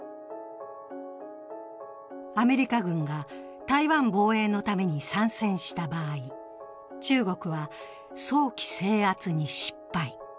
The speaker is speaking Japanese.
アメリカ軍が台湾防衛のために参戦した場合中国は早期制圧に失敗。